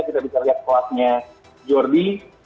kita bisa lihat kelasnya jordi